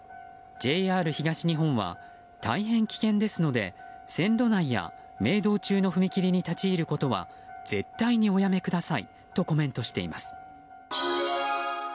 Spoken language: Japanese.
ＪＲ東日本は、大変危険ですので踏切内や鳴動中の踏切に立ち入ることは絶対におやめくださいとコメントしています。